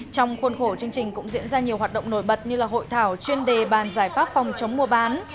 trong khuôn khổ chương trình cũng diễn ra nhiều hoạt động nổi bật như là hội thảo chuyên đề bàn giải pháp phòng chống mua bán